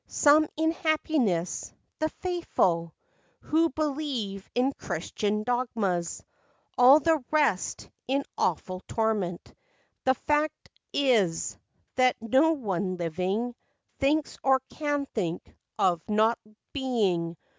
Some in happiness—the faithful Who believe in Christian dogmas— All the rest in awful torment. The fact is, that no one living Thinks, or can think, of not being.